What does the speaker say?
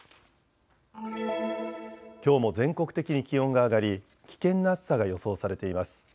きょうも全国的に気温が上がり危険な暑さが予想されています。